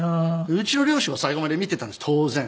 うちの両親は最後まで見ていたんです当然。